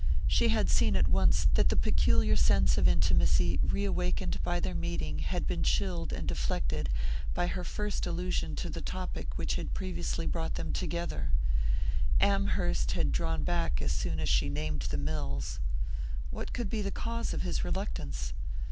She had seen at once that the peculiar sense of intimacy reawakened by their meeting had been chilled and deflected by her first allusion to the topic which had previously brought them together: Amherst had drawn back as soon as she named the mills. What could be the cause of his reluctance?